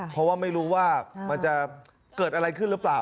เพราะว่าไม่รู้ว่ามันจะเกิดอะไรขึ้นหรือเปล่า